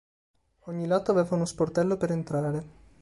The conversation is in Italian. Ogni lato aveva uno sportello per entrare.